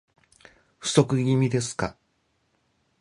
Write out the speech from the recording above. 不足気味ですか